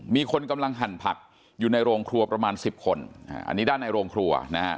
มีคนกำลังหั่นผักอยู่ในโรงครัวประมาณ๑๐คนอันนี้ด้านในโรงครัวนะฮะ